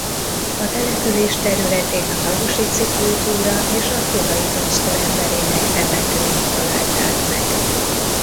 A település területén a lausitzi kultúra és a korai bronzkor emberének temetőit találták meg.